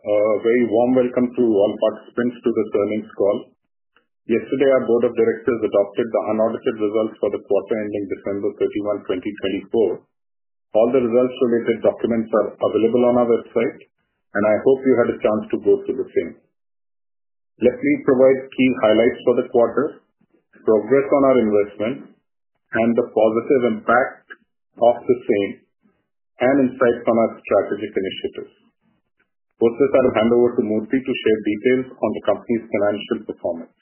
A very warm welcome to all participants to this earnings call. Yesterday, our Board of Directors adopted the unaudited results for the quarter ending December 31, 2024. All the results related documents are available on our website, and I hope you had a chance to go through the same. Let me provide key highlights for the quarter, progress on our investment, and the positive impact of the same, and insights on our strategic initiatives. For this, I'll hand over to Murthy to share details on the company's financial performance.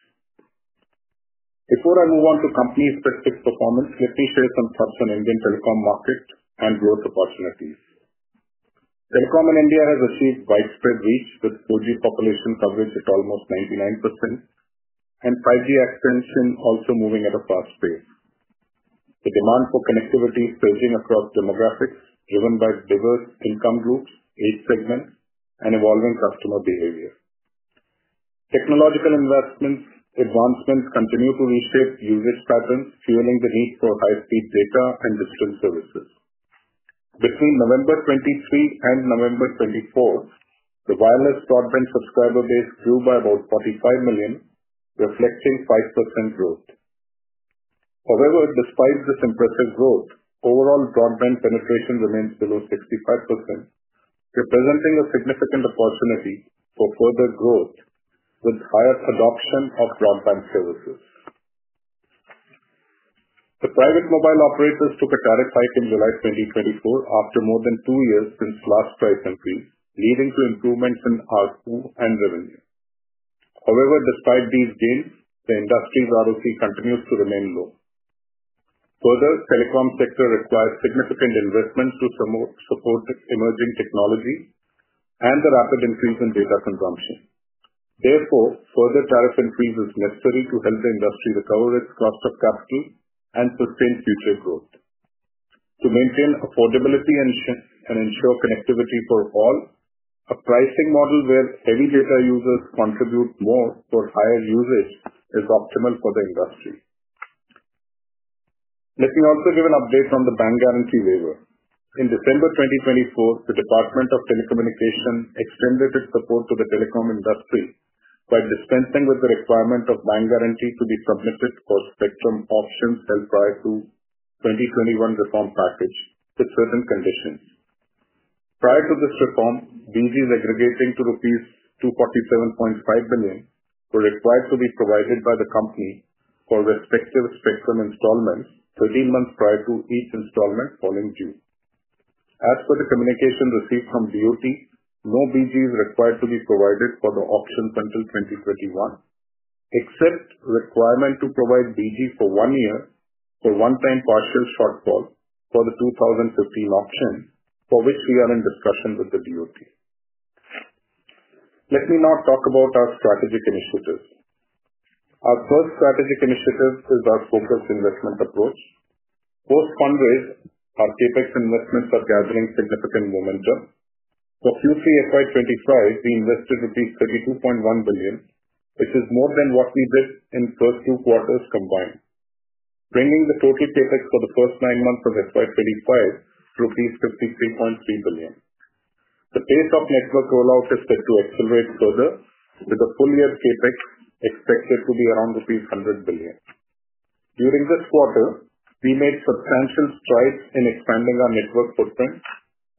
Before I move on to company specific performance, let me share some thoughts on the Indian telecom market and growth opportunities. Telecom in India has achieved widespread reach with 4G population coverage at almost 99%, and 5G extension also moving at a fast pace. The demand for connectivity is surging across demographics, driven by diverse income groups, age segments, and evolving customer behavior. Technological investments' advancements continue to reshape usage patterns, fueling the need for high-speed data and digital services. Between November 2023 and November 2024, the wireless broadband subscriber base grew by about 45 million, reflecting 5% growth. However, despite this impressive growth, overall broadband penetration remains below 65%, representing a significant opportunity for further growth with higher adoption of broadband services. The private mobile operators took a tariff hike in July 2024 after more than two years since last price increase, leading to improvements in ARPU and revenue. However, despite these gains, the industry's ROC continues to remain low. Further, the telecom sector requires significant investments to support emerging technology and the rapid increase in data consumption. Therefore, further tariff increase is necessary to help the industry recover its cost of capital and sustain future growth. To maintain affordability and ensure connectivity for all, a pricing model where heavy data users contribute more for higher usage is optimal for the industry. Let me also give an update on the bank guarantee waiver. In December 2024, the Department of Telecommunications extended its support to the telecom industry by dispensing with the requirement of bank guarantee to be submitted for spectrum auctions held prior to the 2021 reform package with certain conditions. Prior to this reform, BGs aggregating to rupees 247.5 billion were required to be provided by the company for respective spectrum installments 13 months prior to each installment falling due. As for the communication received from DoT, no BG required to be provided for the auctions until 2021, except requirement to provide BG for one year for one-time partial shortfall for the 2015 auction, for which we are in discussion with the DoT. Let me now talk about our strategic initiatives. Our first strategic initiative is our focused investment approach. Post-fundraise, our CAPEX investments are gathering significant momentum. For Q3 FY25, we invested rupees 32.1 billion, which is more than what we did in the first two quarters combined, bringing the total CAPEX for the first nine months of FY25 to 53.3 billion. The pace of network rollout is set to accelerate further, with the full-year CAPEX expected to be around rupees 100 billion. During this quarter, we made substantial strides in expanding our network footprint,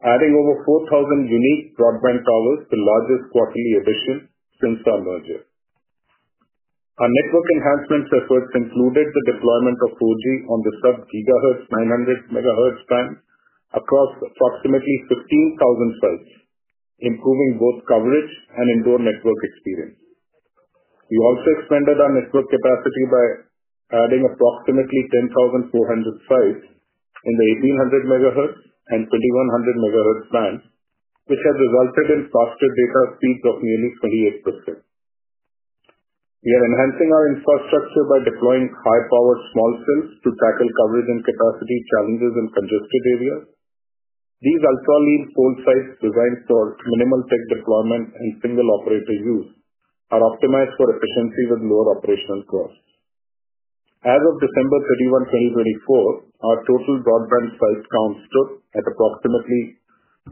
adding over 4,000 unique broadband towers to the largest quarterly addition since our merger. Our network enhancement efforts included the deployment of 4G on the sub-GHz 900 MHz band across approximately 15,000 sites, improving both coverage and indoor network experience. We also expanded our network capacity by adding approximately 10,400 sites in the 1,800 MHz and 2,100 MHz band, which has resulted in faster data speeds of nearly 28%. We are enhancing our infrastructure by deploying high-powered small cells to tackle coverage and capacity challenges in congested areas. These ultra-lean full-site designs for minimal tech deployment and single operator use are optimized for efficiency with lower operational costs. As of December 31, 2024, our total broadband site count stood at approximately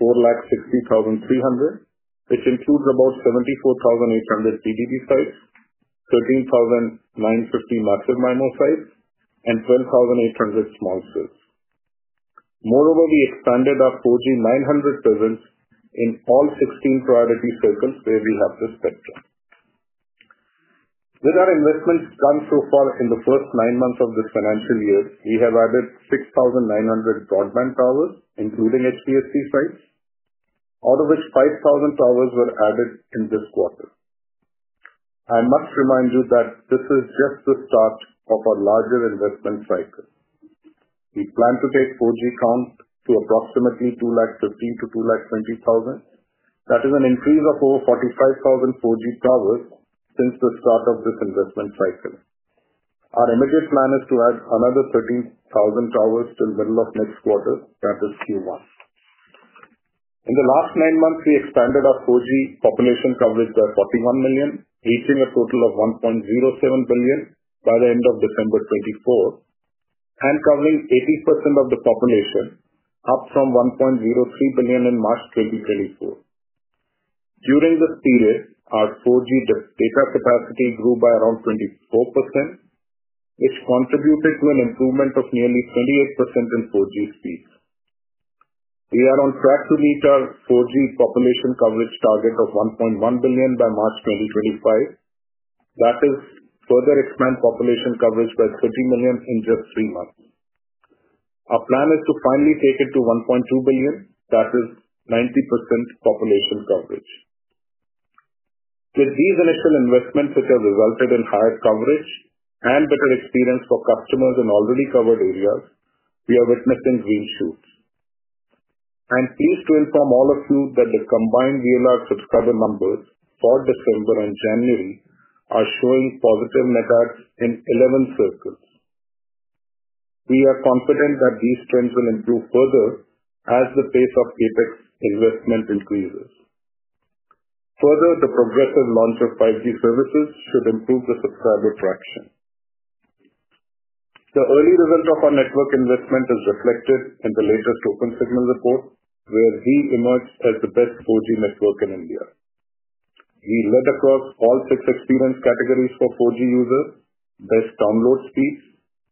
460,300, which includes about 74,800 TDD sites, 13,950 Massive MIMO sites, and 12,800 small cells. Moreover, we expanded our 4G 900 presence in all 16 priority circles where we have this spectrum. With our investments done so far in the first nine months of this financial year, we have added 6,900 broadband towers, including HPSC sites, out of which 5,000 towers were added in this quarter. I must remind you that this is just the start of our larger investment cycle. We plan to take 4G count to approximately 215,000-220,000. That is an increase of over 45,000 4G towers since the start of this investment cycle. Our immediate plan is to add another 13,000 towers till the middle of next quarter, that is Q1. In the last nine months, we expanded our 4G population coverage by 41 million, reaching a total of 1.07 billion by the end of December 2024, and covering 80% of the population, up from 1.03 billion in March 2024. During this period, our 4G data capacity grew by around 24%, which contributed to an improvement of nearly 28% in 4G speeds. We are on track to meet our 4G population coverage target of 1.1 billion by March 2025, that is, further expand population coverage by 30 million in just three months. Our plan is to finally take it to 1.2 billion, that is, 90% population coverage. With these initial investments, which have resulted in higher coverage and better experience for customers in already covered areas, we are witnessing green shoots. I'm pleased to inform all of you that the combined VLR subscriber numbers for December and January are showing positive metrics in 11 Circles. We are confident that these trends will improve further as the pace of CAPEX investment increases. Further, the progressive launch of 5G services should improve the subscriber traction. The early result of our network investment is reflected in the latest Opensignal report, where we emerged as the best 4G network in India. We led across all six experience categories for 4G users: best download speeds,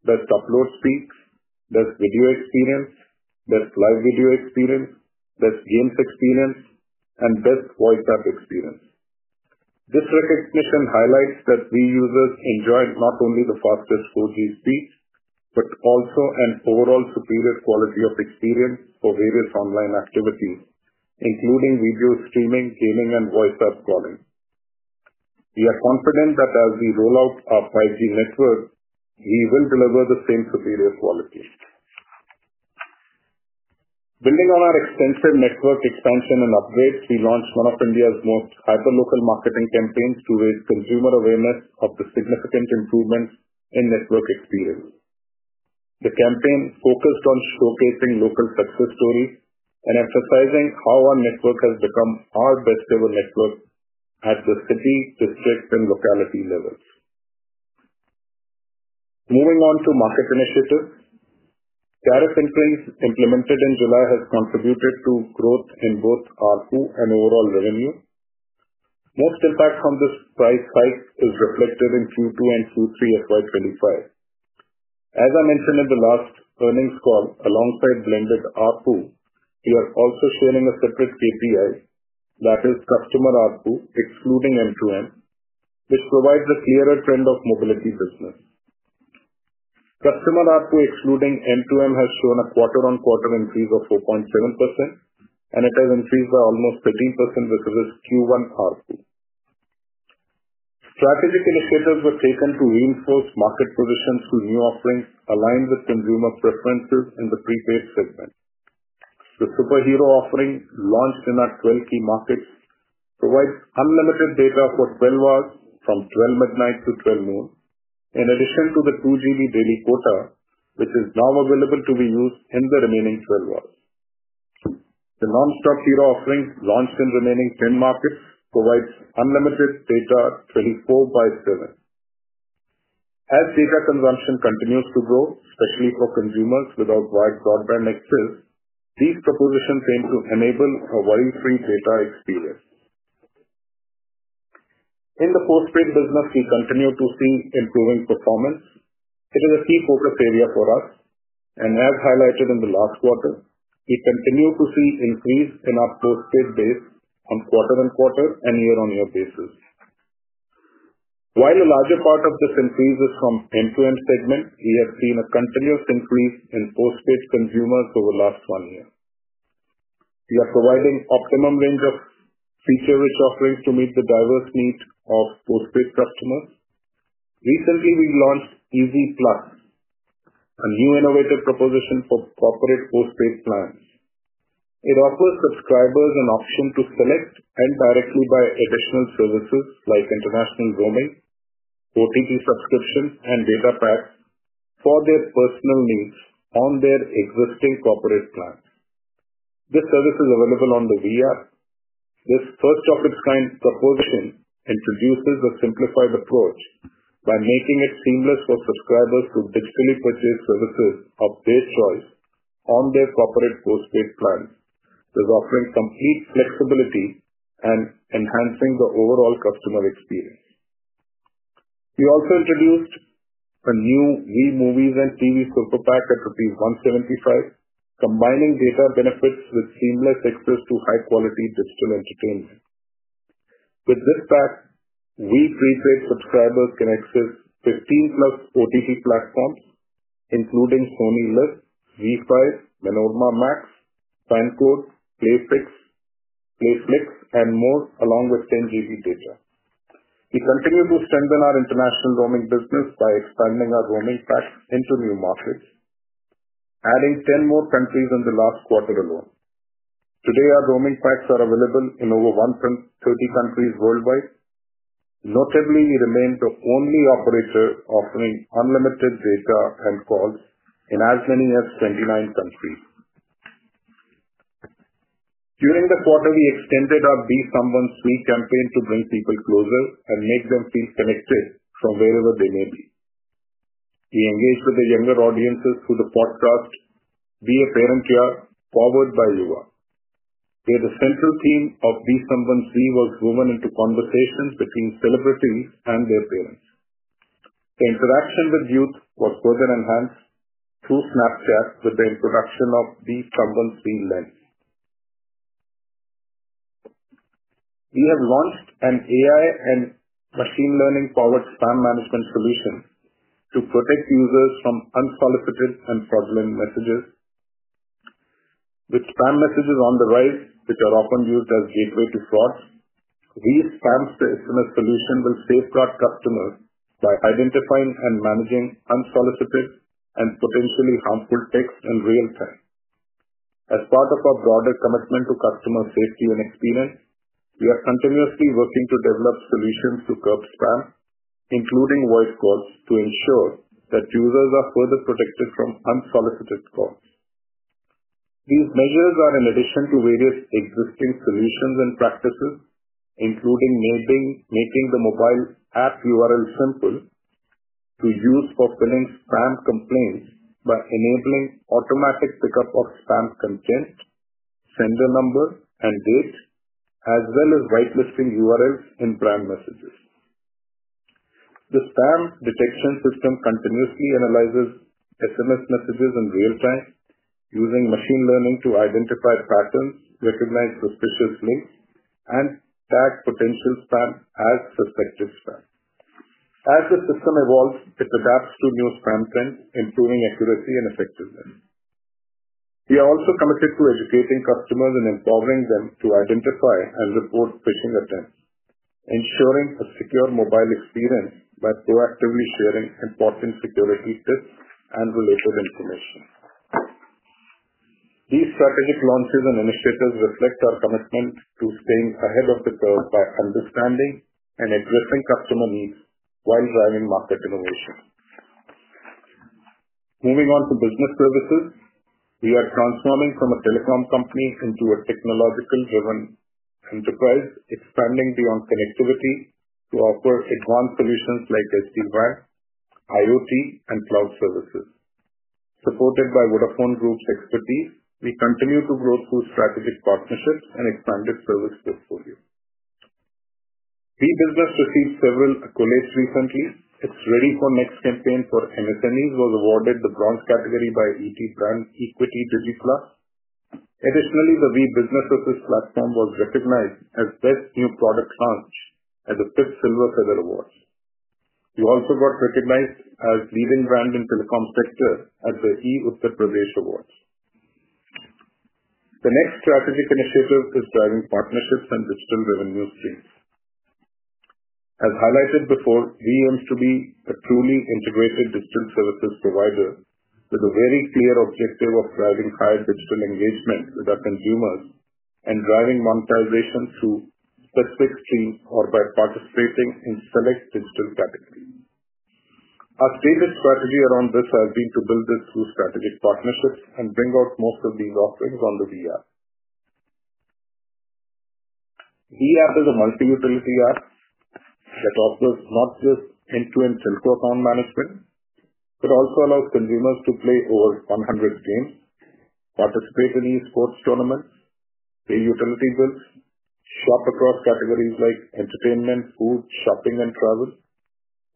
best upload speeds, best video experience, best live video experience, best games experience, and best voice app experience. This recognition highlights that our users enjoyed not only the fastest 4G speeds, but also an overall superior quality of experience for various online activities, including video streaming, gaming, and voice app calling. We are confident that as we roll out our 5G network, we will deliver the same superior quality. Building on our extensive network expansion and upgrades, we launched one of India's most hyper-local marketing campaigns to raise consumer awareness of the significant improvements in network experience. The campaign focused on showcasing local success stories and emphasizing how our network has become our best-selling network at the city, district, and locality levels. Moving on to market initiatives, tariff increase implemented in July has contributed to growth in both ARPU and overall revenue. Most impact from this price hike is reflected in Q2 and Q3FY25. As I mentioned in the last earnings call, alongside blended ARPU, we are also sharing a separate KPI, that is, customer ARPU excluding M2M, which provides a clearer trend of mobility business. Customer ARPU excluding M2M has shown a quarter-on-quarter increase of 4.7%, and it has increased by almost 13% with Q1 ARPU. Strategic initiatives were taken to reinforce market positions through new offerings aligned with consumer preferences in the prepaid segment. The Super Hero offering launched in our 12 key markets provides unlimited data for 12 hours from 12:00 A.M. to 12:00 P.M., in addition to the 2 GB daily quota, which is now available to be used in the remaining 12 hours. The non-stop SuperHero offering launched in remaining 10 markets provides unlimited data 24 by 7. As data consumption continues to grow, especially for consumers without wide broadband access, these propositions aim to enable a worry-free data experience. In the postpaid business, we continue to see improving performance. It is a key focus area for us, and as highlighted in the last quarter, we continue to see an increase in our postpaid base on quarter-on-quarter and year-on-year basis. While a larger part of this increase is from the enterprise segment, we have seen a continuous increase in postpaid consumers over the last one year. We are providing an optimum range of feature-rich offerings to meet the diverse needs of postpaid customers. Recently, we launched Easy+, a new innovative proposition for corporate postpaid plans. It offers subscribers an option to select and directly buy additional services like international roaming, OTT subscription, and data packs for their personal needs on their existing corporate plans. This service is available on the Vi App. This first-of-its-kind proposition introduces a simplified approach by making it seamless for subscribers to digitally purchase services of their choice on their corporate postpaid plans, thus offering complete flexibility and enhancing the overall customer experience. We also introduced a new Vi Movies & TV Super Pack at rupees 175, combining data benefits with seamless access to high-quality digital entertainment. With this pack, our prepaid subscribers can access 15 plus OTT platforms, including Sony LIV, ZEE5, ManoramaMAX, FanCode, Playflix, and more, along with 10 GB data. We continue to strengthen our international roaming business by expanding our roaming packs into new markets, adding 10 more countries in the last quarter alone. Today, our roaming packs are available in over 130 countries worldwide. Notably, we remain the only operator offering unlimited data and calls in as many as 29 countries. During the quarter, we extended our 'Be Someone's We' campaign to bring people closer and make them feel connected from wherever they may be. We engaged with the younger audiences through the podcast 'Be A Parent, Yaar! Powered by Yuvaa' where the central theme of 'Be Someone's We' was woven into conversations between celebrities and their parents. The interaction with youth was further enhanced through Snapchat with the introduction of the 'Be Someone's We' lens. We have launched an AI and machine learning-powered spam management solution to protect users from unsolicited and fraudulent messages. With spam messages on the rise, which are often used as gateways to fraud, Vi Spam SMS solution will safeguard customers by identifying and managing unsolicited and potentially harmful texts in real time. As part of our broader commitment to customer safety and experience, we are continuously working to develop solutions to curb spam, including voice calls, to ensure that users are further protected from unsolicited calls. These measures are in addition to various existing solutions and practices, including making the mobile app URL simple to use for filling spam complaints by enabling automatic pickup of spam content, sender number, and date, as well as whitelisting URLs in brand messages. The spam detection system continuously analyzes SMS messages in real time, using machine learning to identify patterns, recognize suspicious links, and tag potential spam as suspected spam. As the system evolves, it adapts to new spam trends, improving accuracy and effectiveness. We are also committed to educating customers and empowering them to identify and report phishing attempts, ensuring a secure mobile experience by proactively sharing important security tips and related information. These strategic launches and initiatives reflect our commitment to staying ahead of the curve by understanding and addressing customer needs while driving market innovation. Moving on to business services, we are transforming from a telecom company into a technology-driven enterprise, expanding beyond connectivity to offer advanced solutions like SD-WAN, IoT, and cloud services. Supported by Vodafone Group's expertise, we continue to grow through strategic partnerships and expanded service portfolio. Vi Business received several accolades recently. Its 'Ready For Next' campaign for MSMEs was awarded the Bronze category by ET Brand Equity DigiPlus. Additionally, the Vi Business Assist platform was recognized as Best New Product Launch at the Fifth Silver Feather Awards. We also got recognized as Leading Brand in Telecom Sector at the ET Brand Equity Awards. The next strategic initiative is driving partnerships and digital revenue streams. As highlighted before, we aim to be a truly integrated digital services provider with a very clear objective of driving higher digital engagement with our consumers and driving monetization through specific streams or by participating in select digital categories. Our stated strategy around this has been to build this through strategic partnerships and bring out most of these offerings on the Vi App. Vi App is a multi-utility app that offers not just end-to-end telco account management, but also allows consumers to play over 100 games, participate in eSports tournaments, pay utility bills, shop across categories like entertainment, food, shopping, and travel,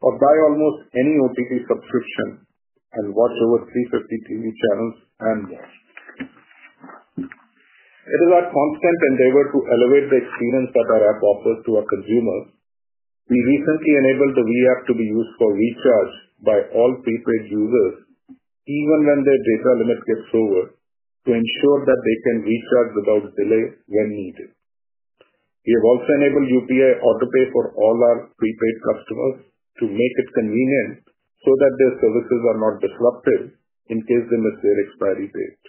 or buy almost any OTT subscription and watch over 350 TV channels and more. It is our constant endeavor to elevate the experience that our app offers to our consumers. We recently enabled the Vi App to be used for recharge by all prepaid users, even when their data limit gets over, to ensure that they can recharge without delay when needed. We have also enabled UPI Autopay for all our prepaid customers to make it convenient so that their services are not disrupted in case they miss their expiry date.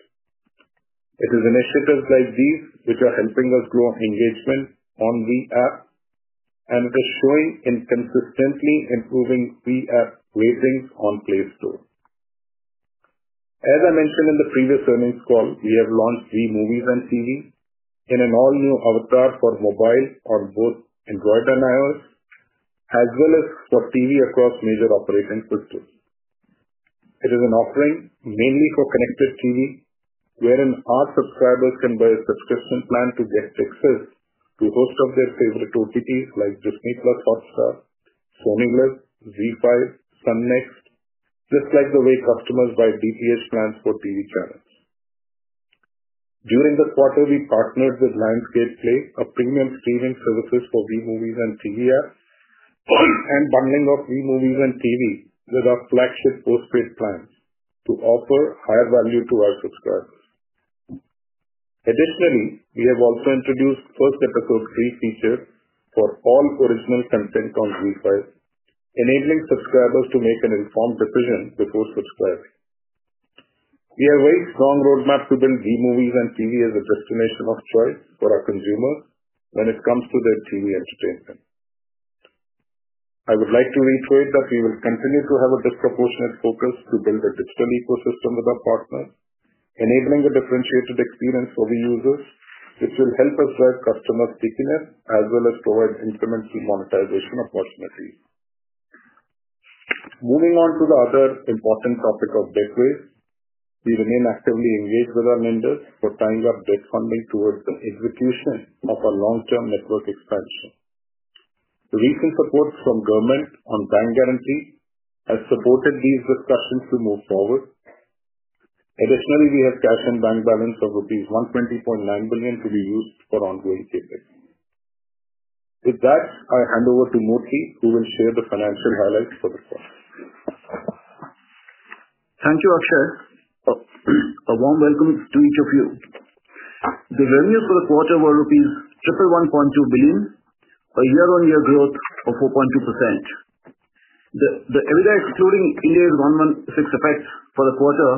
It is initiatives like these which are helping us grow engagement on Vi App, and it is showing in consistently improving Vi App ratings on Play Store. As I mentioned in the previous earnings call, we have launched Vi Movies & TV in an all-new avatar for mobile on both Android and iOS, as well as for TV across major operating systems. It is an offering mainly for connected TV, wherein our subscribers can buy a subscription plan to get access to most of their favorite OTTs like Disney+ Hotstar, Sony LIV, ZEE5, Sun NXT, just like the way customers buy DTH plans for TV channels. During the quarter, we partnered with Lionsgate Play, a premium streaming service for Vi Movies & TV app, and bundling of Vi Movies & TV with our flagship postpaid plans to offer higher value to our subscribers. Additionally, we have also introduced First Episode Free feature for all original content on ZEE5, enabling subscribers to make an informed decision before subscribing. We have a very strong roadmap to build Vi Movies & TV as a destination of choice for our consumers when it comes to their TV entertainment. I would like to reiterate that we will continue to have a disproportionate focus to build a digital ecosystem with our partners, enabling a differentiated experience for Vi users, which will help us drive customer stickiness as well as provide increments in monetization of watch time. Moving on to the other important topic of debt raise, we remain actively engaged with our lenders for tying up debt funding towards the execution of our long-term network expansion. The recent support from government on bank guarantee has supported these discussions to move forward. Additionally, we have cash and bank balance of INR 120.9 billion to be used for ongoing payables. With that, I hand over to Murthy, who will share the financial highlights for the quarter. Thank you, Akshaya. A warm welcome to each of you. The revenues for the quarter were rupees 111.2 billion, a year-on-year growth of 4.2%. The EBITDA excluding Ind AS 116 effects for the quarter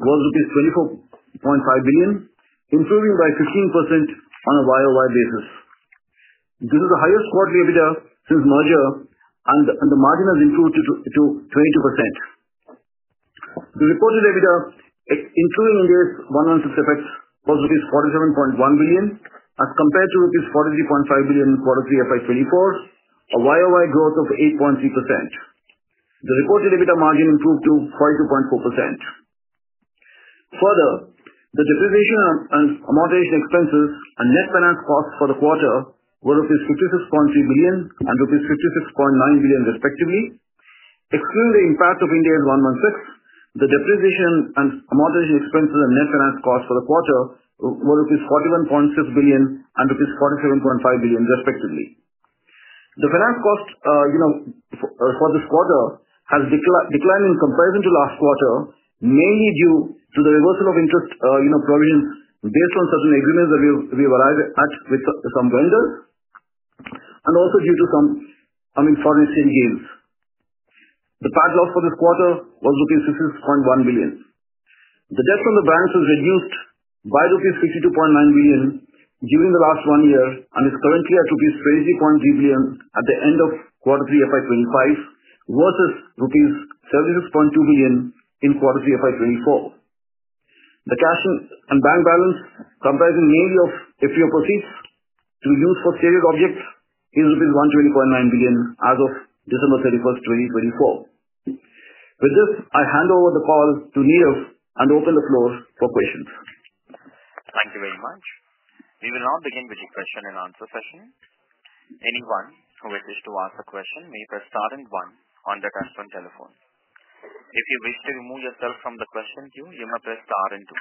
was rupees 24.5 billion, improving by 15% on a YoY basis. This is the highest quarterly EBITDA since merger, and the margin has improved to 22%. The reported EBITDA, excluding Ind AS 116 effects, was rupees 47.1 billion, as compared to rupees 43.5 billion in quarter 3 of FY24, a YOY growth of 8.3%. The reported EBITDA margin improved to 42.4%. Further, the depreciation and amortization expenses and net finance costs for the quarter were rupees 56.3 billion and rupees 56.9 billion, respectively. Excluding the impact of Ind AS 116, the depreciation and amortization expenses and net finance costs for the quarter were rupees 41.6 billion and rupees 47.5 billion, respectively. The finance cost for this quarter has declined in comparison to last quarter, mainly due to the reversal of interest provisions based on certain agreements that we have arrived at with some vendors and also due to some foreign exchange deals. The net loss for this quarter was rupees 66.1 billion. The debt from the banks has reduced by rupees 52.9 billion during the last one year and is currently at rupees 23.3 billion at the end of quarter 3 of FY25 versus rupees 76.2 billion in quarter 3 of FY24. The cash and bank balance comprising mainly of FPO proceeds to be used for CAPEX objectives is INR 120.9 billion as of December 31, 2024. With this, I hand over the call to Nirav and open the floor for questions. Thank you very much. We will now begin with the question and answer session. Anyone who wishes to ask a question may press star and one on the touchscreen telephone. If you wish to remove yourself from the question queue, you may press star and two.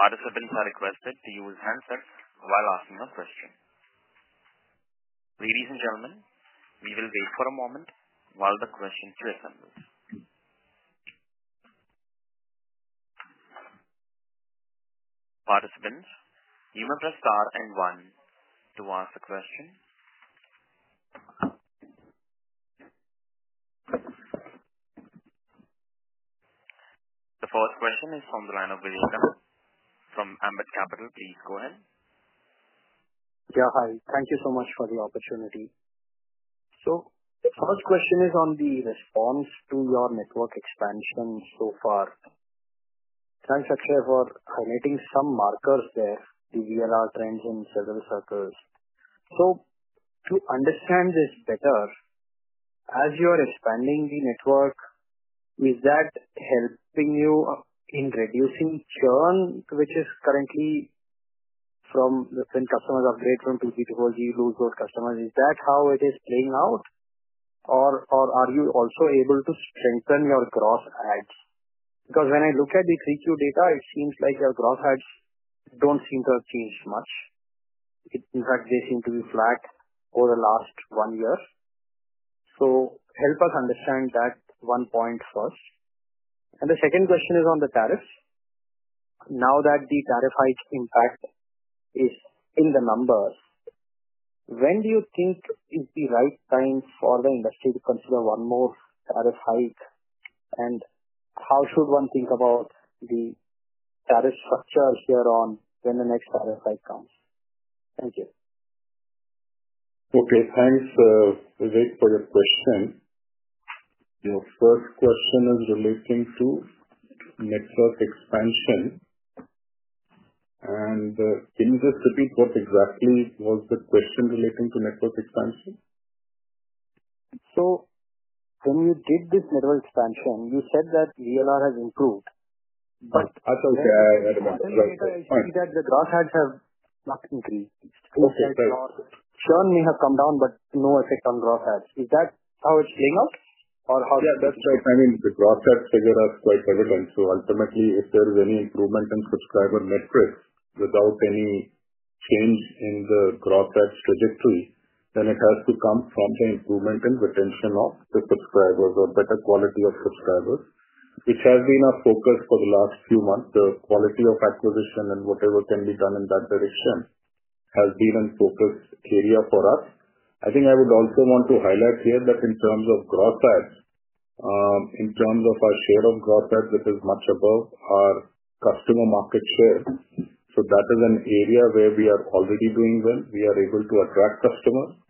Participants are requested to use handsets while asking a question. Ladies and gentlemen, we will wait for a moment while the question queue assembles. Participants, you may press star and one to ask a question. The first question is from the line of Vivekanand from Ambit Capital. Please go ahead. Yeah, hi. Thank you so much for the opportunity. So the first question is on the response to your network expansion so far. Thanks, Akshaya, for highlighting some markers there, the VLR trends and service circle. So to understand this better, as you are expanding the network, is that helping you in reducing churn, which is currently from when customers upgrade from 2G to 4G, lose those customers? Is that how it is playing out, or are you also able to strengthen your gross adds? Because when I look at the 3Q data, it seems like your gross adds don't seem to have changed much. In fact, they seem to be flat over the last one year. So help us understand that one point first. And the second question is on the tariffs. Now that the tariff hike impact is in the numbers, when do you think is the right time for the industry to consider one more tariff hike, and how should one think about the tariff structure here on when the next tariff hike comes? Thank you. Okay, thanks, Vivek, for your question. Your first question is relating to network expansion. And can you just repeat what exactly was the question relating to network expansion? So when you did this network expansion, you said that VLR has improved. You said that the gross adds have not increased. Okay. Churn may have come down, but no effect on gross adds. Is that how it's playing out, or how? Yeah, that's right. I mean, the gross adds figure is quite evident. So ultimately, if there is any improvement in subscriber metrics without any change in the gross adds trajectory, then it has to come from the improvement in retention of the subscribers or better quality of subscribers, which has been our focus for the last few months. The quality of acquisition and whatever can be done in that direction has been a focus area for us. I think I would also want to highlight here that in terms of gross adds, in terms of our share of gross adds, it is much above our customer market share. So that is an area where we are already doing well. We are able to attract customers.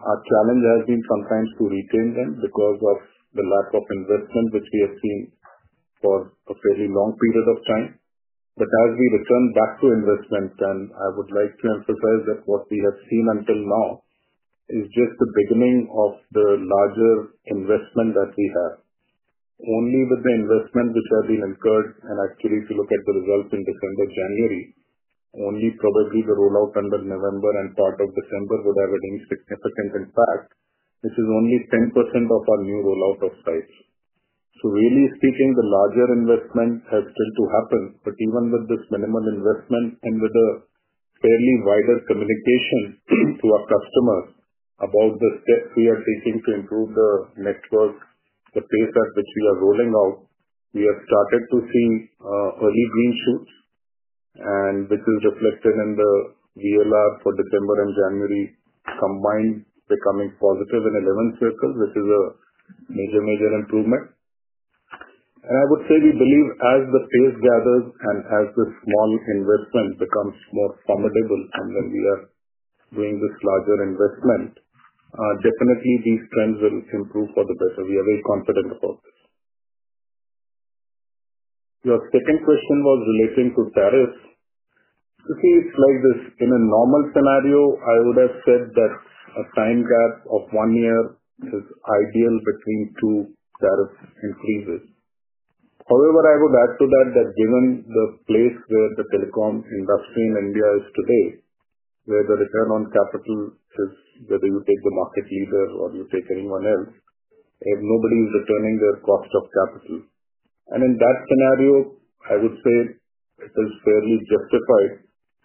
Our challenge has been sometimes to retain them because of the lack of investment, which we have seen for a fairly long period of time. But as we return back to investment, then I would like to emphasize that what we have seen until now is just the beginning of the larger investment that we have. Only with the investment which has been incurred, and actually, if you look at the results in December, January, only probably the rollout under November and part of December would have any significant impact, which is only 10% of our new rollout of sites. So really speaking, the larger investment has still to happen, but even with this minimal investment and with a fairly wider communication to our customers about the steps we are taking to improve the network, the pace at which we are rolling out, we have started to see early green shoots, which is reflected in the VLR for December and January combined becoming positive in 11 Circles, which is a major, major improvement. And I would say we believe as the pace gathers and as the small investment becomes more formidable, and then we are doing this larger investment, definitely these trends will improve for the better. We are very confident about this. Your second question was relating to tariffs. To see it like this, in a normal scenario, I would have said that a time gap of one year is ideal between two tariff increases. However, I would add to that that given the place where the telecom industry in India is today, where the return on capital is, whether you take the market leader or you take anyone else, nobody is returning their cost of capital. In that scenario, I would say it is fairly justified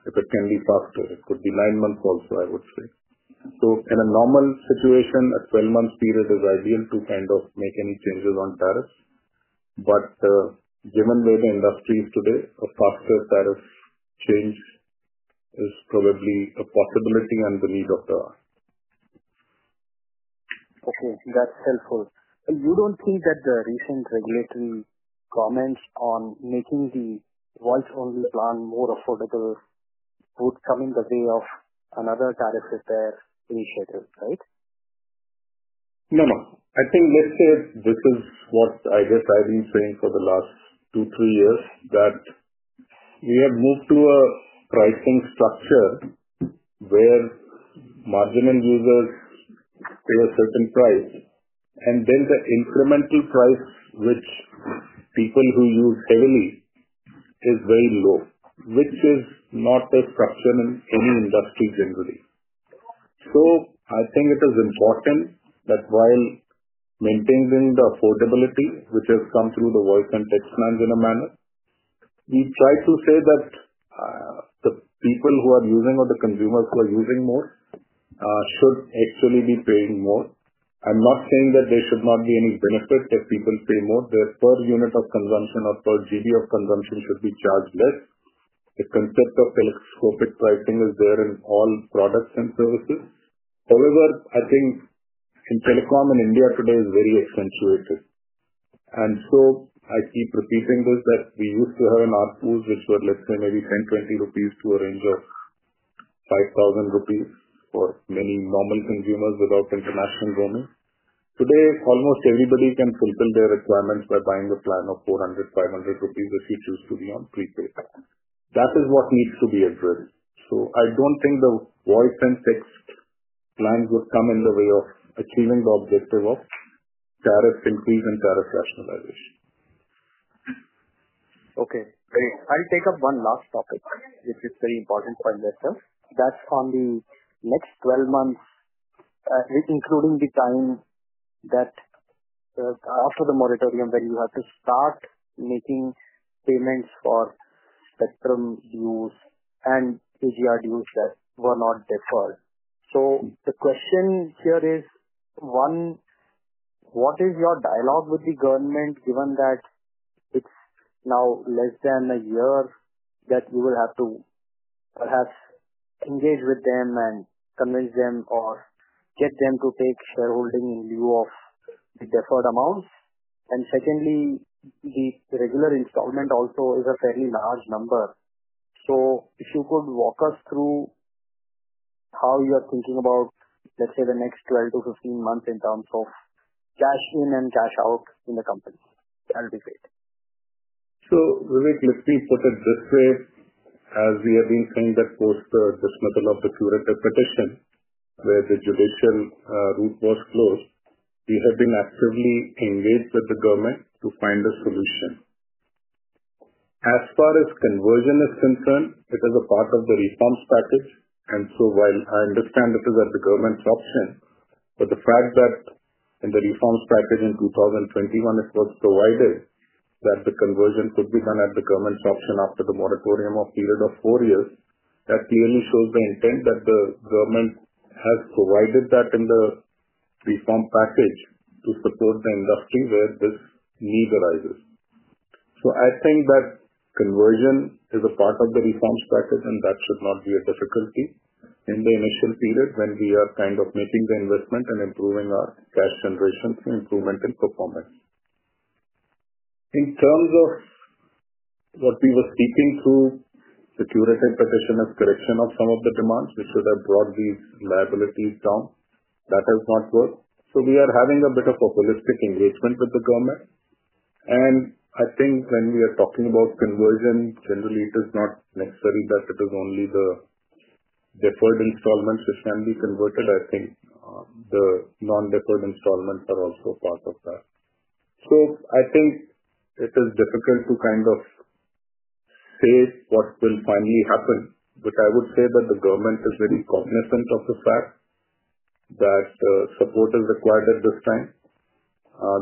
if it can be faster. It could be nine months also, I would say. In a normal situation, a 12-month period is ideal to kind of make any changes on tariffs. Given where the industry is today, a faster tariff change is probably a possibility and the need of the. Okay, that's helpful. You don't think that the recent regulatory comments on making the voice-only plan more affordable would come in the way of another tariff repair initiative, right? No, no. I think this is what I guess I've been saying for the last two, three years, that we have moved to a pricing structure where marginal users pay a certain price, and then the incremental price, which people who use heavily is very low, which is not a structure in any industry generally. So I think it is important that while maintaining the affordability, which has come through the voice and text plans in a manner, we try to say that the people who are using or the consumers who are using more should actually be paying more. I'm not saying that there should not be any benefit if people pay more. Their per unit of consumption or per GB of consumption should be charged less. The concept of telescopic pricing is there in all products and services. However, I think in telecom in India today is very accentuated. And so I keep repeating this that we used to have an ARPU, which were, let's say, maybe 10-20 rupees to a range of 5,000 rupees for many normal consumers without international roaming. Today, almost everybody can fulfill their requirements by buying a plan of 400, 500 rupees if you choose to be on prepaid. That is what needs to be addressed. So I don't think the voice and text plans would come in the way of achieving the objective of tariff increase and tariff rationalization. Okay. I'll take up one last topic, which is very important for investors. That's on the next 12 months, including the time that after the moratorium when you had to start making payments for spectrum dues and AGR dues that were not deferred. The question here is, one, what is your dialogue with the government, given that it's now less than a year that you will have to perhaps engage with them and convince them or get them to take shareholding in lieu of the deferred amounts? And secondly, the regular installment also is a fairly large number. So if you could walk us through how you are thinking about, let's say, the next 12 to 15 months in terms of cash in and cash out in the company, that would be great. Vivek, let me put it this way. As we have been saying that post the dismissal of the curative petition, where the judicial route was closed, we have been actively engaged with the Government to find a solution. As far as conversion is concerned, it is a part of the reforms package. While I understand it is at the government's option, but the fact that in the reforms package in 2021, it was provided that the conversion could be done at the government's option after the moratorium of a period of four years, that clearly shows the intent that the Government has provided that in the reform package to support the industry where this need arises. I think that conversion is a part of the reforms package, and that should not be a difficulty in the initial period when we are kind of making the investment and improving our cash generation through improvement in performance. In terms of what we were seeking through the curative petition as correction of some of the demands, which should have brought these liabilities down, that has not worked. We are having a bit of a holistic engagement with the government. I think when we are talking about conversion, generally, it is not necessary that it is only the deferred installments which can be converted. I think the non-deferred installments are also part of that. So I think it is difficult to kind of say what will finally happen, but I would say that the Government is very cognizant of the fact that support is required at this time.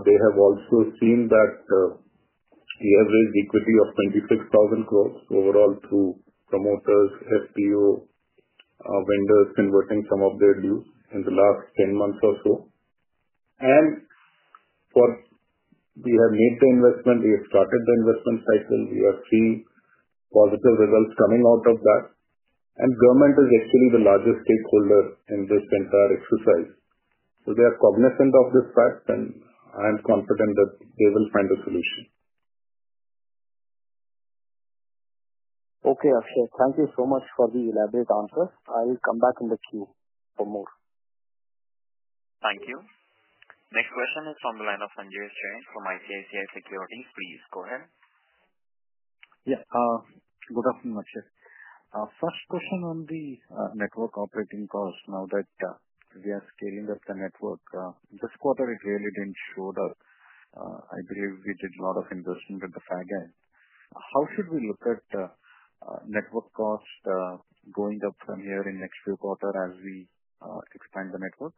They have also seen that the average equity of 26,000 crores gross overall through promoters, FPO, vendors converting some of their dues in the last 10 months or so. And we have made the investment. We have started the investment cycle. We are seeing positive results coming out of that. And Government is actually the largest stakeholder in this entire exercise. So they are cognizant of this fact, and I am confident that they will find a solution. Okay, Akshaya. Thank you so much for the elaborate answers. I'll come back in the queue for more. Thank you. Next question is from the line of Sanjesh Jain from ICICI Securities. Please go ahead. Yeah. Good afternoon, Akshaya. First question on the network operating costs. Now that we are scaling up the network, this quarter, it really didn't show that. I believe we did a lot of investment with the fag end. How should we look at network costs going up from here in the next few quarters as we expand the network?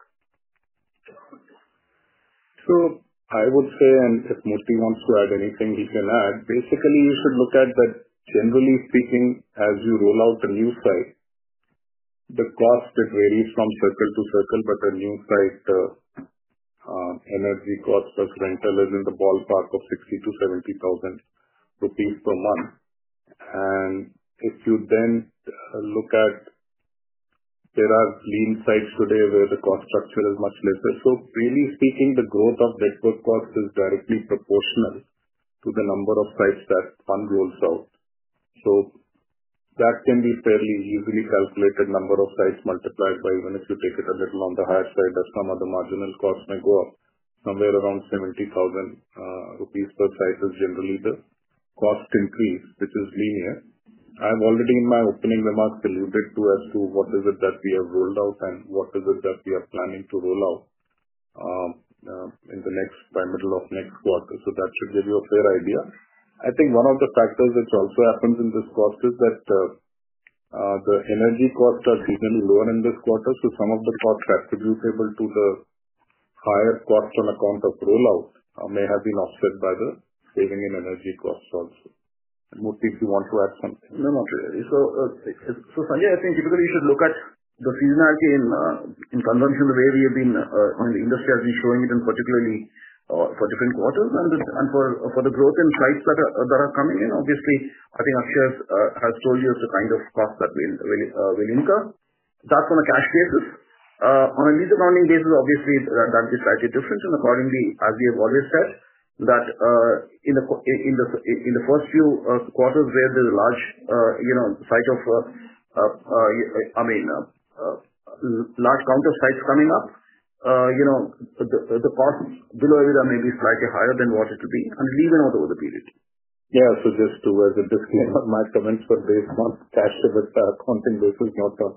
So I would say, and if Murthy wants to add anything, he can add. Basically, you should look at that, generally speaking, as you roll out a new site, the cost, it varies from circle to circle, but a new site, energy cost plus rental is in the ballpark of 60,000-70,000 rupees per month. And if you then look, there are lean sites today where the cost structure is much lesser. So really speaking, the growth of network costs is directly proportional to the number of sites that one rolls out. So that can be fairly easily calculated, number of sites multiplied by, even if you take it a little on the higher side, that some of the marginal costs may go up. Somewhere around 70,000 rupees per site is generally the cost increase, which is linear. I've already in my opening remarks alluded to as to what is it that we have rolled out and what is it that we are planning to roll out by middle of next quarter. So that should give you a fair idea. I think one of the factors which also happens in this cost is that the energy costs are generally lower in this quarter. So some of the costs attributable to the higher cost on account of rollout may have been offset by the saving in energy costs also. Murthy, do you want to add something? No, not really. So Sanjesh, I think typically you should look at the seasonality in consumption, the way we have been in the industry has been showing it in particular for different quarters and for the growth in sites that are coming in. Obviously, I think Akshaya has told you the kind of cost that we'll incur. That's on a cash basis. On a lease accounting basis, obviously, that'd be slightly different. Accordingly, as we have always said, that in the first few quarters where there's a large site of, I mean, large count of sites coming up, the costs below it are maybe slightly higher than what it will be and leave it out over the period. Yeah. Just to clarify that on my comments were based on cash accounting basis, not on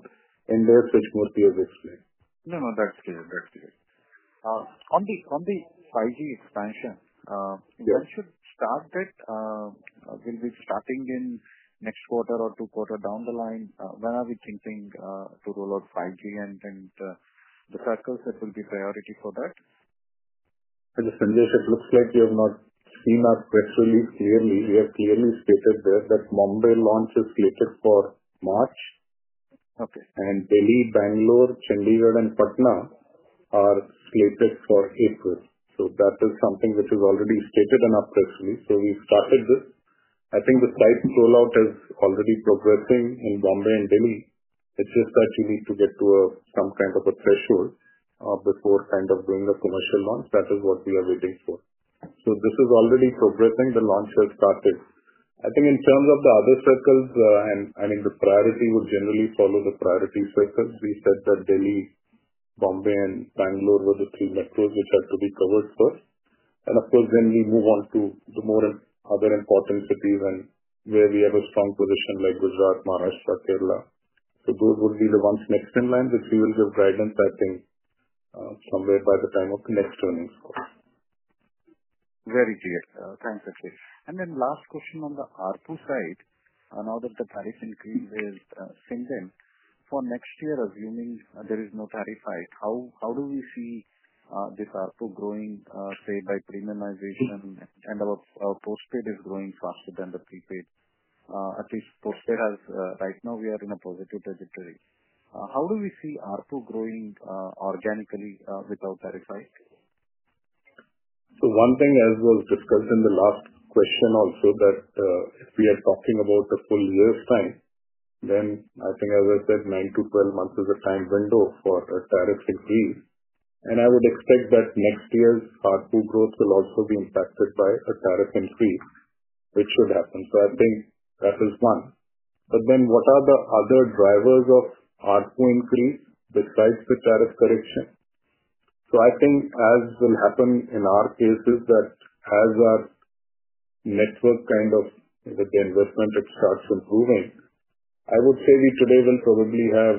index, which Murthy has explained. No, no, that's clear. That's clear. On the 5G expansion, when should we start that? Will we be starting in next quarter or two quarters down the line? When are we thinking to roll out 5G and the Circles that will be priority for that? And Sanjesh, it looks like you have not seen us quite really clearly. We have clearly stated there that Mumbai launch is slated for March and Delhi, Bangalore, Chandigarh, and Patna are slated for April. So that is something which is already stated in our press release. So we've started this. I think the site rollout is already progressing in Mumbai and Delhi. It's just that you need to get to some kind of a threshold before kind of doing a commercial launch. That is what we are waiting for. So this is already progressing. The launch has started. I think in terms of the other Circles, and I mean, the priority would generally follow the priority Circles. We said that Delhi, Mumbai, and Bengaluru were the three metros which have to be covered first. And of course, then we move on to the other important cities and where we have a strong position like Gujarat, Maharashtra, Kerala. So those would be the ones next in line, which we will give guidance, I think, somewhere by the time of the next earnings call. Very clear. Thanks, Akshay. And then last question on the ARPU's side. Now that the tariff increase is seen then for next year, assuming there is no tariff hike, how do we see this ARPU growing, say, by premiumization? And our postpaid is growing faster than the prepaid. At least postpaid has right now, we are in a positive territory. How do we see ARPU growing organically without tariff hike? So one thing, as was discussed in the last question also, that if we are talking about a full year's time, then I think, as I said, 9 to 12 months is a time window for a tariff increase. And I would expect that next year's ARPU growth will also be impacted by a tariff increase, which should happen. So I think that is one. But then what are the other drivers of ARPU increase besides the tariff correction? So I think, as will happen in our cases, that as our network kind of with the investment, it starts improving. I would say we today will probably have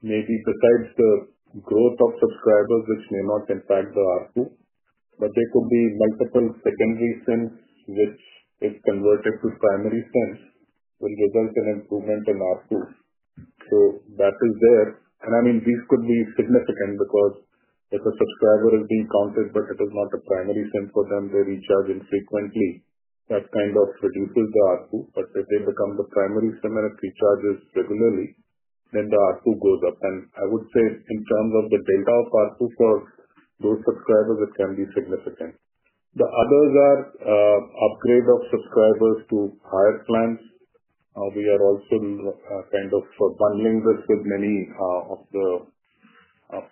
maybe besides the growth of subscribers, which may not impact the ARPU, but there could be multiple secondary SIMs, which if converted to primary SIMs, will result in improvement in ARPU. So that is there. And I mean, these could be significant because if a subscriber is being counted, but it is not a primary SIM for them, they recharge infrequently. That kind of reduces the ARPU. But if they become the primary SIM and it recharges regularly, then the ARPU goes up. And I would say in terms of the delta of ARPU for those subscribers, it can be significant. The others are upgrade of subscribers to higher plans. We are also kind of bundling this with many of the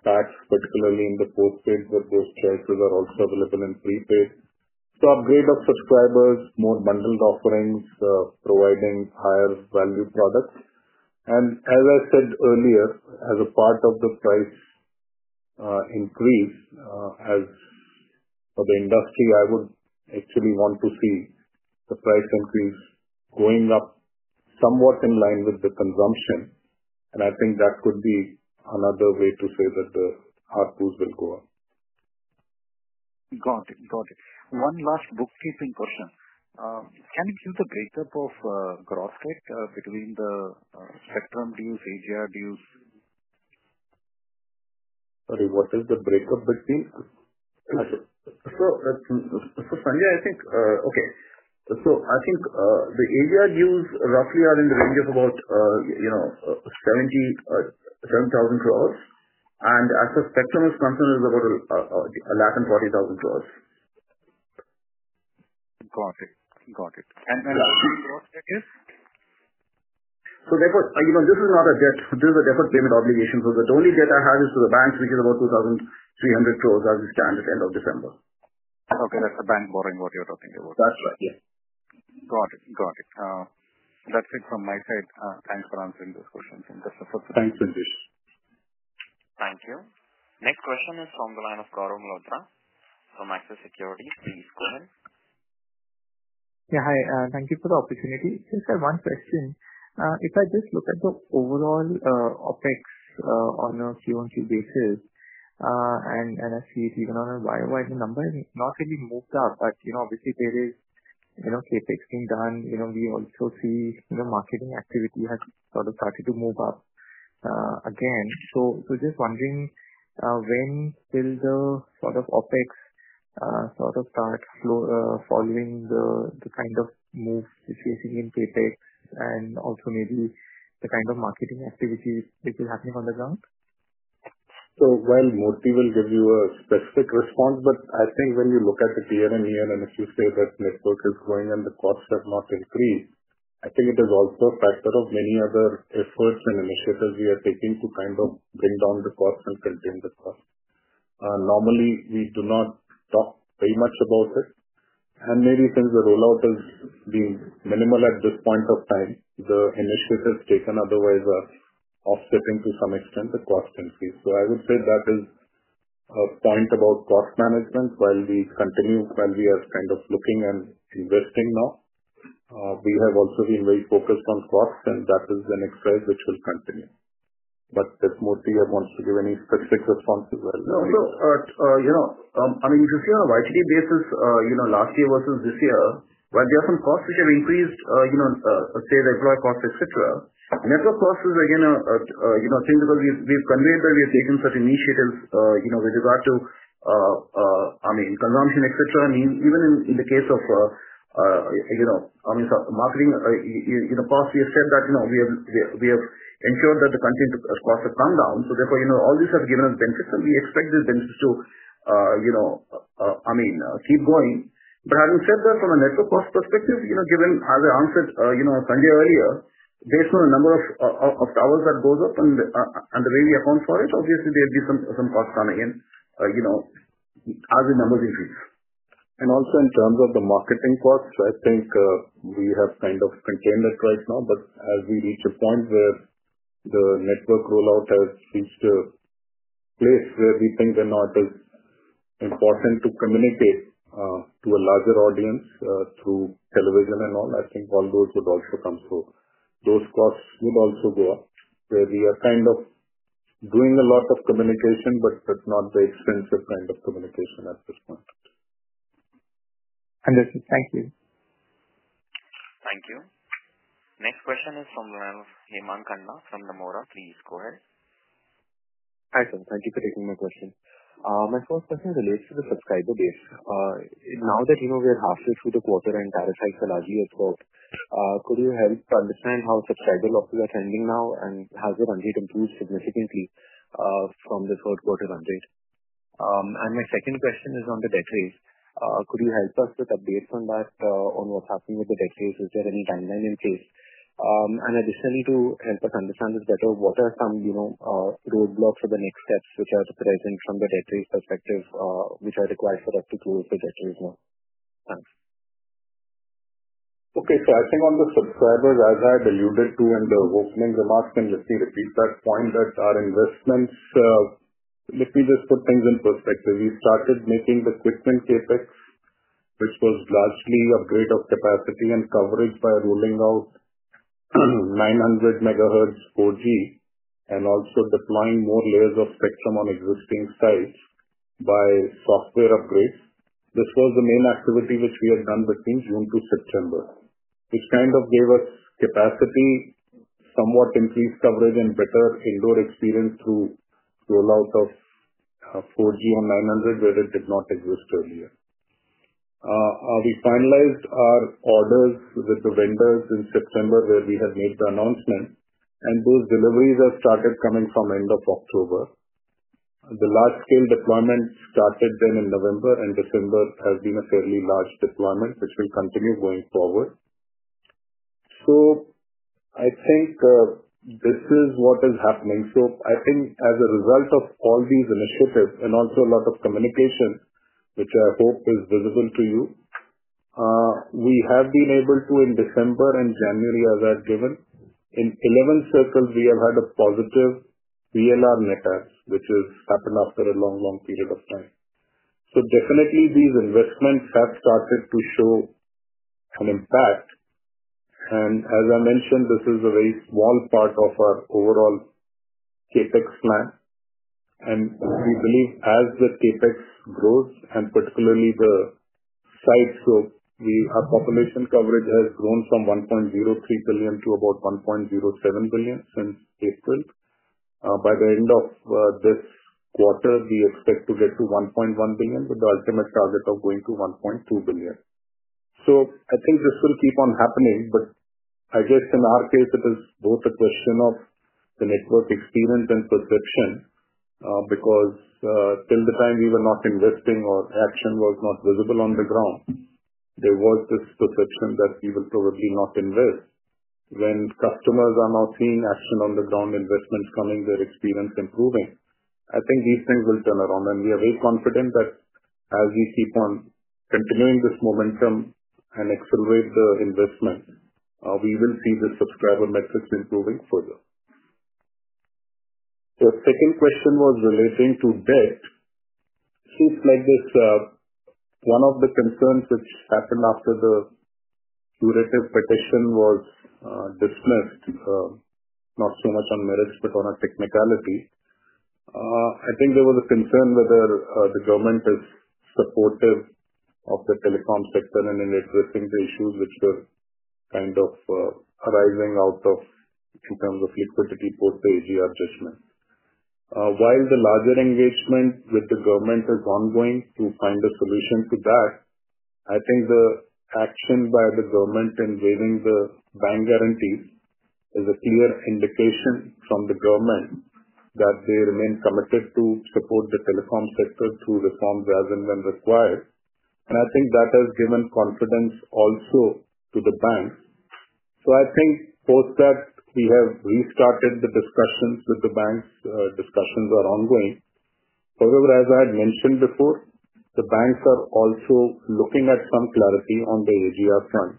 packs, particularly in the postpaid, but those choices are also available in prepaid. So upgrade of subscribers, more bundled offerings, providing higher value products. And as I said earlier, as far as the price increase, as far as the industry, I would actually want to see the price increase going up somewhat in line with the consumption. And I think that could be another way to say that the RPUs will go up. Got it. Got it. One last bookkeeping question. Can you give the breakup of gross debt between the spectrum dues, AGR dues? Sorry, what is the breakup between? So Sanjesh, I think okay. So I think the AGR dues roughly are in the range of about 70,000 crores. And as for spectrum dues, it is about a lakh and 40,000 crores. Got it. Got it. And the gross debt is? So this is not a debt. This is a deferred payment obligation. So the only debt I have is to the banks, which is about 2,300 crores as we stand at end of December. Okay. That's the bank borrowing what you're talking about. That's right. Yeah. Got it. Got it. That's it from my side. Thanks for answering those questions. And that's the first question. Thanks, Sanjesh. Thank you. Next question is from the line of Gaurav Malhotra from Axis Securities. Please go ahead. Yeah. Hi. Thank you for the opportunity. Just had one question. If I just look at the overall OPEX on a Q-on-Q basis, and I see it even on a year-wise number, not really moved up, but obviously there is CAPEX being done. We also see marketing activity has sort of started to move up again. So just wondering when will the sort of OPEX sort of start following the kind of move which we are seeing in CAPEX and also maybe the kind of marketing activity which is happening on the ground? So while Murthy will give you a specific response, but I think when you look at the clarity here, and if you say that network is growing and the costs have not increased, I think it is also a factor of many other efforts and initiatives we are taking to kind of bring down the costs and contain the costs. Normally, we do not talk very much about it, and maybe since the rollout has been minimal at this point of time, the initiatives taken otherwise are offsetting to some extent the cost increase. So I would say that is a point about cost management while we are kind of looking and investing now. We have also been very focused on costs, and that is an exercise which will continue. But if Murthy wants to give any specific response as well. No. So I mean, if you see on a YTD basis, last year versus this year, while there are some costs which have increased, say, the employee costs, etc., network costs is again a thing because we've conveyed that we have taken such initiatives with regard to, I mean, consumption, etc. I mean, even in the case of, I mean, marketing costs, we have said that we have ensured that the content costs have come down. So therefore, all these have given us benefits, and we expect these benefits to, I mean, keep going. But having said that, from a network cost perspective, given as I answered Sanjesh earlier, based on the number of hours that goes up and the way we account for it, obviously there will be some costs coming in as the numbers increase. And also in terms of the marketing costs, I think we have kind of contained that right now. But as we reach a point where the network rollout has reached a place where we think they're not as important to communicate to a larger audience through television and all, I think all those would also come. So those costs would also go up where we are kind of doing a lot of communication, but that's not the extensive kind of communication at this point. Understood. Thank you. Thank you. Next question is from the line of Hemang Khanna from Nomura. Please go ahead. Hi, sir. Thank you for taking my question. My first question relates to the subscriber base. Now that we are halfway through the quarter and tariff hikes are largely absorbed, could you help to understand how subscriber losses are trending now, and has the run rate improved significantly from the third quarter run rate? And my second question is on the debt raise. Could you help us with updates on that, on what's happening with the debt raise? Is there any timeline in place? And additionally, to help us understand this better, what are some roadblocks or the next steps which are present from the debt raise perspective which are required for us to close the debt raise now? Thanks. Okay. So I think on the subscribers, as I had alluded to in the opening remarks, and let me repeat that point that our investments, let me just put things in perspective. We started making the equipment CAPEX, which was largely upgrade of capacity and coverage by rolling out 900 MHz 4G and also deploying more layers of spectrum on existing sites by software upgrades. This was the main activity which we had done between June to September, which kind of gave us capacity, somewhat increased coverage, and better indoor experience through rollout of 4G on 900 where it did not exist earlier. We finalized our orders with the vendors in September where we had made the announcement, and those deliveries have started coming from end of October. The large-scale deployment started then in November, and December has been a fairly large deployment, which will continue going forward, so I think this is what is happening. So I think as a result of all these initiatives and also a lot of communication, which I hope is visible to you, we have been able to, in December and January, as I've given, in 11 Circles, we have had a positive VLR net add, which has happened after a long, long period of time. So definitely, these investments have started to show an impact. And as I mentioned, this is a very small part of our overall CAPEX plan. And we believe as the CAPEX grows, and particularly the sites, so our population coverage has grown from 1.03 billion to about 1.07 billion since April. By the end of this quarter, we expect to get to 1.1 billion with the ultimate target of going to 1.2 billion. So I think this will keep on happening, but I guess in our case, it is both a question of the network experience and perception because till the time we were not investing or action was not visible on the ground, there was this perception that we will probably not invest. When customers are now seeing action on the ground, investments coming, their experience improving, I think these things will turn around. And we are very confident that as we keep on continuing this momentum and accelerate the investment, we will see the subscriber metrics improving further. The second question was relating to debt. Seems like this one of the concerns which happened after the Curative Petition was dismissed, not so much on merits but on a technicality. I think there was a concern whether the Government is supportive of the telecom sector and in addressing the issues which were kind of arising out of in terms of liquidity post the AGR judgment. While the larger engagement with the Government is ongoing to find a solution to that, I think the action by the Government in waiving the bank guarantees is a clear indication from the Government that they remain committed to support the telecom sector through reforms as and when required, and I think that has given confidence also to the banks, so I think post that we have restarted the discussions with the banks, discussions are ongoing. However, as I had mentioned before, the banks are also looking at some clarity on the AGR front.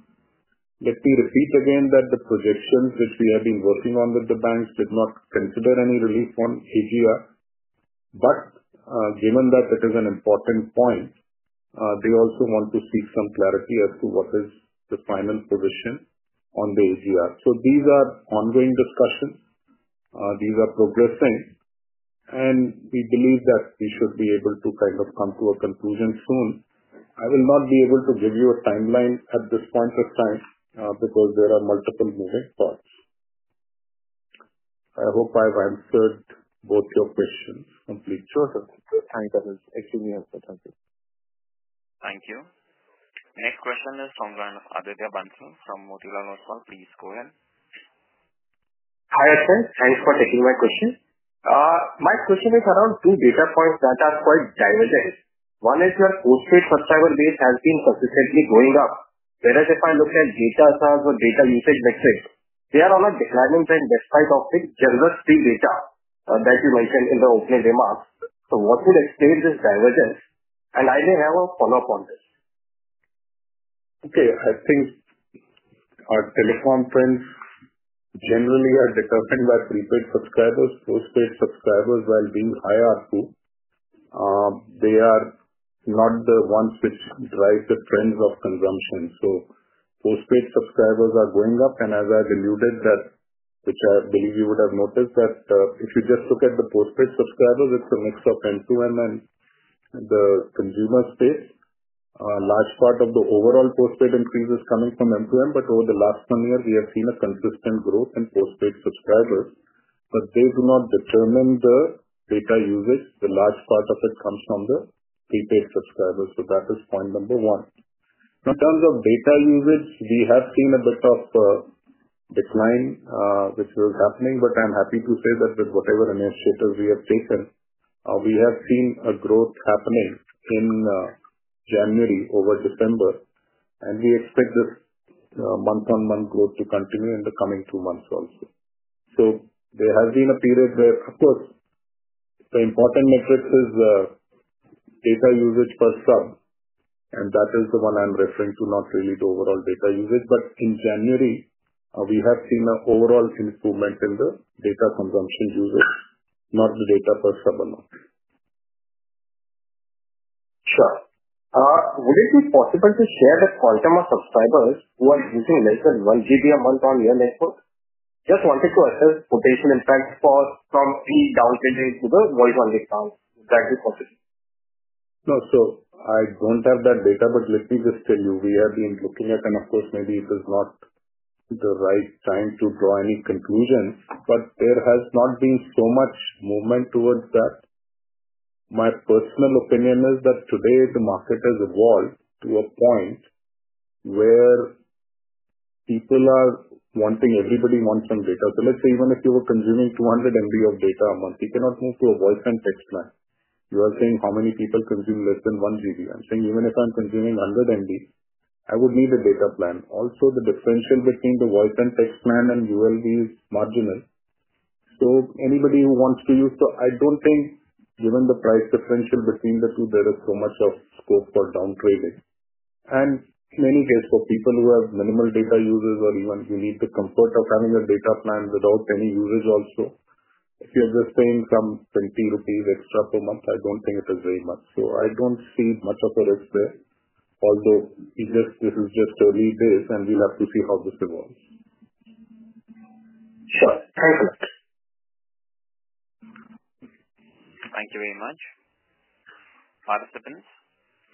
Let me repeat again that the projections which we have been working on with the banks did not consider any relief on AGR, but given that it is an important point, they also want to seek some clarity as to what is the final position on the AGR, so these are ongoing discussions. These are progressing, and we believe that we should be able to kind of come to a conclusion soon. I will not be able to give you a timeline at this point of time because there are multiple moving parts. I hope I've answered both your questions completely. Sure. Thank you. Extremely helpful. Thank you. Thank you. Next question is from Aditya Bansal from Motilal Oswal. Please go ahead. Hi, Sanjesh. Thanks for taking my question. My question is around two data points that are quite divergent. One is your postpaid subscriber base has been consistently going up. Whereas if I look at data size or data usage metrics, they are on a declining trend despite of the generous free data that you mentioned in the opening remarks. So what would explain this divergence? And I may have a follow-up on this. Okay. I think our telecom trends generally are determined by prepaid subscribers. Postpaid subscribers, while being high ARPU, they are not the ones which drive the trends of consumption. So postpaid subscribers are going up. And as I've alluded that, which I believe you would have noticed, that if you just look at the postpaid subscribers, it's a mix of M2M and the consumer space. A large part of the overall postpaid increase is coming from M2M, but over the last one year, we have seen a consistent growth in postpaid subscribers. But they do not determine the data usage. The large part of it comes from the prepaid subscribers. So that is point number one. Now, in terms of data usage, we have seen a bit of decline which was happening, but I'm happy to say that with whatever initiatives we have taken, we have seen a growth happening in January over December. And we expect this month-on-month growth to continue in the coming two months also. So there has been a period where, of course, the important metric is data usage per sub, and that is the one I'm referring to, not really the overall data usage. But in January, we have seen an overall improvement in the data consumption usage, not the data per sub amount. Sure. Would it be possible to share the quantum of subscribers who are using less than 1 GB a month on your network? Just wanted to assess potential impact from the downtrading to the voice-only account. Is that possible? No. So I don't have that data, but let me just tell you, we have been looking at, and of course, maybe this is not the right time to draw any conclusions, but there has not been so much movement towards that. My personal opinion is that today, the market has evolved to a point where people are wanting, everybody wants some data. So let's say even if you were consuming 200 MB of data a month, you cannot move to a voice and text plan. You are saying how many people consume less than 1 GB. I'm saying even if I'm consuming 100 MB, I would need a data plan. Also, the differential between the voice and text plan and ULP is marginal. So anybody who wants to use, so I don't think given the price differential between the two, there is so much scope for downtrading. And in any case, for people who have minimal data users or even who need the comfort of having a data plan without any usage also, if you're just paying some 20 rupees extra per month, I don't think it is very much. So I don't see much of a risk there, although this is just early days, and we'll have to see how this evolves. Sure. Thanks so much. Thank you very much. Participants,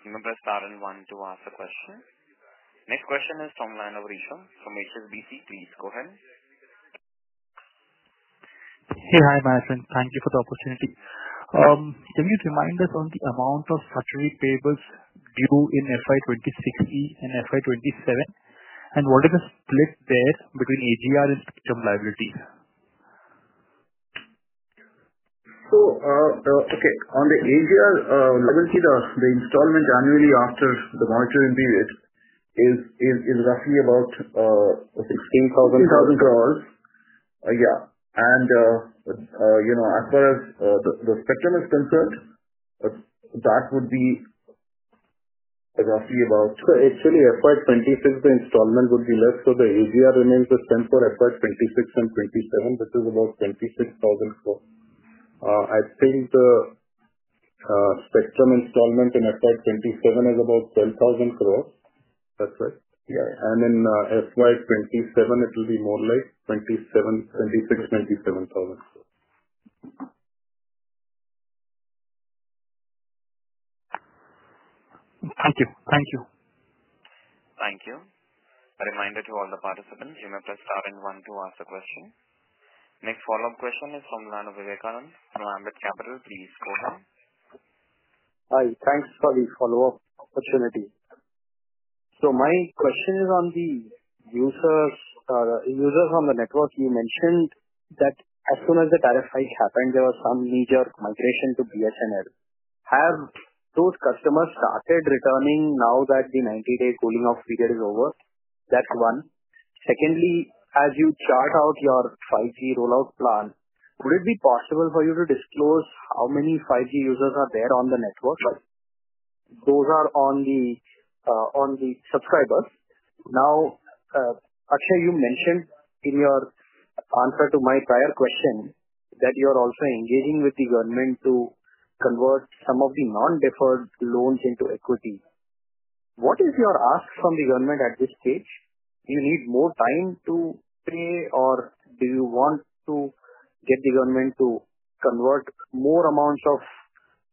remember to star one to ask a question. Next question is from the line Rishabh from HSBC. Please go ahead. Hey, hi, Management. Thank you for the opportunity. Can you remind us on the amount of statutory payables due in FY26 and FY27, and what is the split there between AGR and spectrum liabilities? So, okay. On the AGR liability, the installment annually after the moratorium period is roughly about 16,000 crores. Yeah. And as far as the spectrum is concerned, that would be roughly about—so actually, FY26, the installment would be less. So the AGR remains the same for FY26 and FY27, which is about 26,000 crores. I think the spectrum installment in FY27 is about 12,000 crores. That's right. Yeah. And in FY27, it will be more like 26,000-27,000 crores. Thank you. Thank you. A reminder to all the participants, remember to press star one to ask a question. Next follow-up question is from Vivekanand Subbaraman from Ambit Capital. Please go ahead. Hi. Thanks for the follow-up opportunity. So my question is on the users on the network. You mentioned that as soon as the tariff hikes happened, there was some major migration to BSNL. Have those customers started returning now that the 90-day cooling-off period is over? That's one. Secondly, as you chart out your 5G rollout plan, would it be possible for you to disclose how many 5G users are there on the network? Those are on the subscribers. Now, Akshay, you mentioned in your answer to my prior question that you are also engaging with the Government to convert some of the non-deferred loans into equity. What is your ask from the Government at this stage? Do you need more time to pay, or do you want to get the Government to convert more amounts of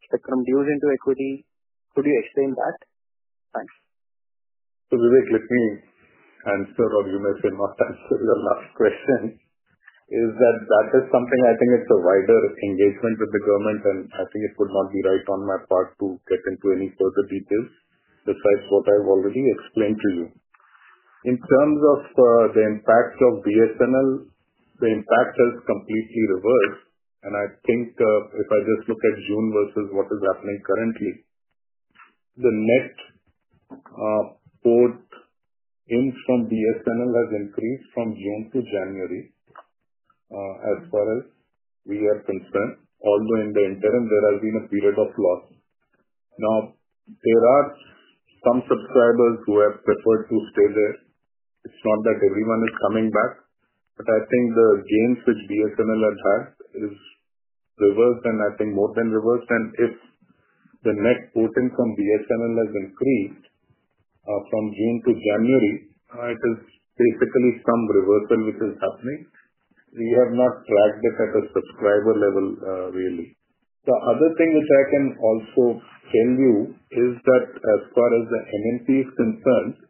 spectrum dues into equity? Could you explain that? Thanks. So, Vivek, let me answer, or you may say not answer your last question, is that that is something I think it's a wider engagement with the government, and I think it would not be right on my part to get into any further details besides what I've already explained to you. In terms of the impact of BSNL, the impact has completely reversed. And I think if I just look at June versus what is happening currently, the net port in from BSNL has increased from June to January as far as we are concerned, although in the interim, there has been a period of loss. Now, there are some subscribers who have preferred to stay there. It's not that everyone is coming back, but I think the gains which BSNL has had is reversed, and I think more than reversed. If the net porting from BSNL has increased from June to January, it is basically some reversal which is happening. We have not tracked it at a subscriber level, really. The other thing which I can also tell you is that as far as the MNP is concerned,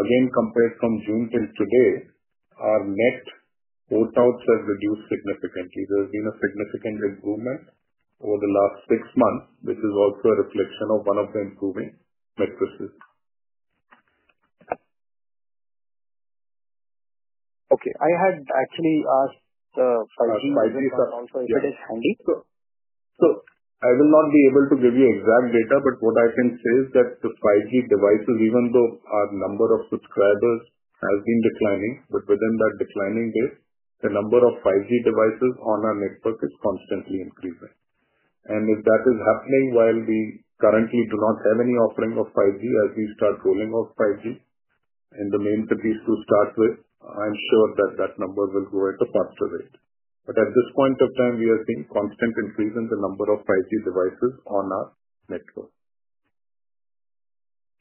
again, compared from June till today, our net port outs have reduced significantly. There has been a significant improvement over the last six months, which is also a reflection of one of the improving metrics. Okay. I had actually asked the 5G users also, if it is handy. So I will not be able to give you exact data, but what I can say is that the 5G devices, even though our number of subscribers has been declining, but within that declining base, the number of 5G devices on our network is constantly increasing. And if that is happening while we currently do not have any offering of 5G, as we start rolling out 5G, and the main thing these two start with, I'm sure that that number will grow at a faster rate. But at this point of time, we are seeing constant increase in the number of 5G devices on our network.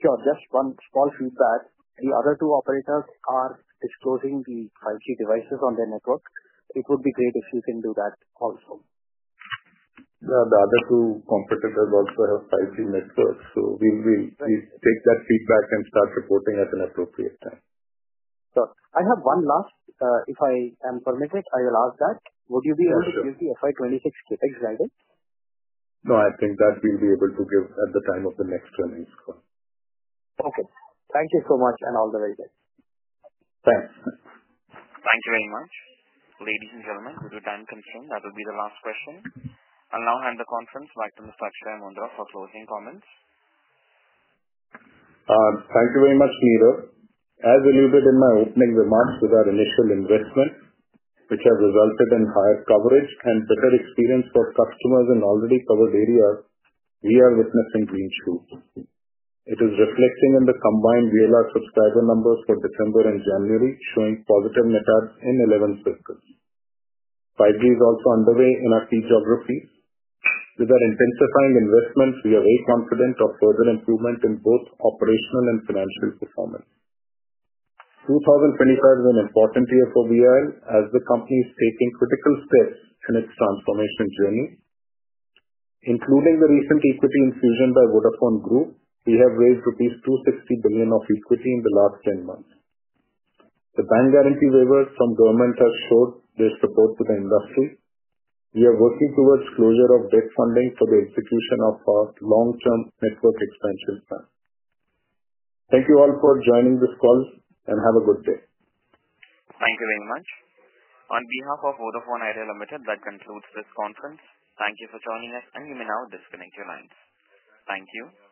Sure. Just one small feedback. The other two operators are disclosing the 5G devices on their network. It would be great if you can do that also. Yeah. The other two competitors also have 5G networks. So we'll take that feedback and start reporting at an appropriate time. Sure. I have one last, if I am permitted, I will ask that. Would you be able to give the FY26 CAPEX guidance? No. I think that we'll be able to give at the time of the next earnings call. Okay. Thank you so much and all the very best. Thanks. Thank you very much. Ladies and gentlemen, with your time concerned, that will be the last question. I'll now hand the conference back to Mr. Akshaya Moondra for closing comments. Thank you very much, Neerav. As alluded in my opening remarks with our initial investment, which has resulted in higher coverage and better experience for customers in already covered areas, we are witnessing green shoots. It is reflecting in the combined Vi subscriber numbers for December and January, showing positive metrics in 11 Circles. 5G is also underway in our key geographies. With our intensifying investments, we are very confident of further improvement in both operational and financial performance. 2025 is an important year for Vi as the company is taking critical steps in its transformation journey. Including the recent equity infusion by Vodafone Group, we have raised rupees 260 billion of equity in the last 10 months. The bank guarantee waivers from Government have showed their support to the industry. We are working towards closure of debt funding for the execution of our long-term network expansion plan. Thank you all for joining this call and have a good day. Thank you very much. On behalf of Vodafone Idea Limited, that concludes this conference. Thank you for joining us, and you may now disconnect your lines. Thank you.